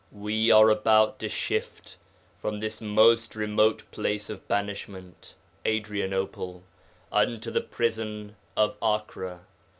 'We are about to shift from this most remote place of banishment (Adrianople) unto the prison of Acre.